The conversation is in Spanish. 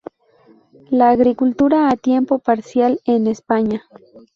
La agricultura a tiempo parcial en España".